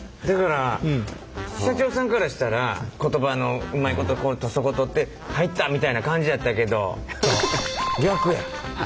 だから社長さんからしたら言葉をうまいことそこ取って入ったみたいな感じやったけど逆や。